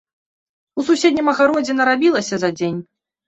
У суседнім агародзе нарабілася за дзень.